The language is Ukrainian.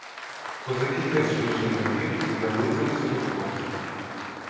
Козаки теж вийшли на двір і наблизилися до хлопця.